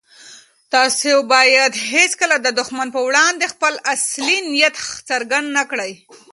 تاسو بايد هيڅکله د دښمن په وړاندې خپل اصلي نيت څرګند نه کړئ.